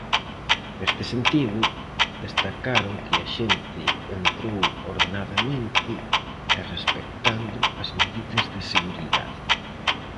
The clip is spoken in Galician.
Neste sentido, destacaron que a xente entrou ordenadamente e respectando as medidas de seguridade.